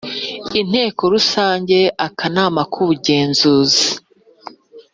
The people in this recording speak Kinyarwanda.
inteko rusange akanama k ubugenzuzi